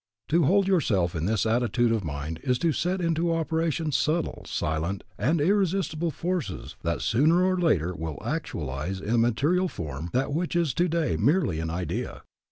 To hold yourself in this attitude of mind is to set into operation subtle, silent, and irresistible forces that sooner or later will actualize in material form that which is today merely an idea.